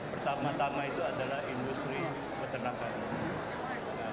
pertama tama itu adalah industri peternakan